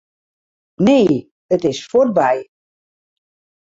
Nee, it is fuortby.